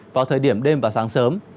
vào thời điểm đêm và sáng sớm